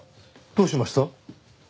どうしました？